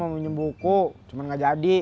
mbak laras punya buku cuman nggak jadi